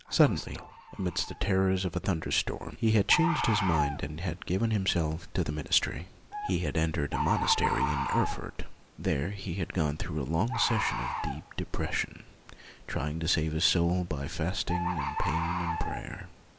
Suddenly, amidst the terrors of a thunderstorm, he had changed his mind and had given himself to the ministry. He had entered a monastery in Erfurt. There he had gone through long seasons of deep de pression, trying to save his soul by fasting and pain and prayer.